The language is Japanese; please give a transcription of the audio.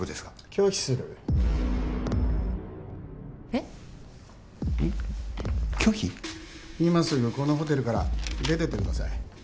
今すぐこのホテルから出てってください。